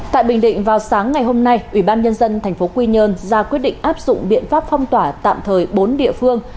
tại bình định vào sáng ngày hôm nay ubnd tp quy nhơn ra quyết định áp dụng biện pháp phong tỏa tạm thời bốn địa phương